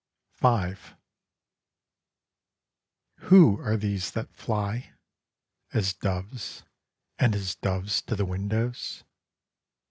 V Who are these that fly; As doves, and as doves to the windows?